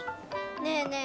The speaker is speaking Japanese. ねえねえ